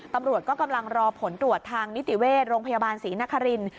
ตำรวจก็กำลังรอผลตรวจทางนิติเวชโรงพยาบาลศรีนครินทร์